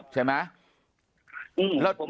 ใช่ไหม